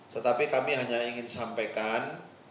tetapi kami hanya ingin sampaikan